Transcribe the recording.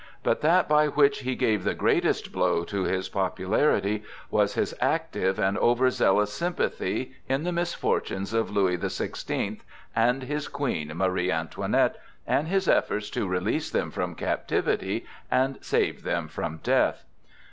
But that by which he gave the greatest blow to his popularity was his active and over zealous sympathy in the misfortunes of Louis the Sixteenth and his Queen, Marie Antoinette, and his efforts to release them from captivity and save them from death.